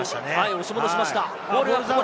押し戻しました。